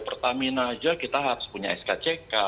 pertamina aja kita harus punya skck